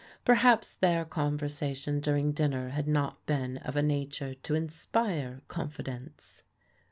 Perhaps their conversation during dinner had not been of a nature to inspire confidence.